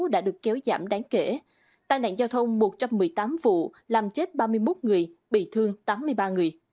đã được kéo giảm đáng kể tai nạn giao thông một trăm một mươi tám vụ làm chết ba mươi một người bị thương tám mươi ba người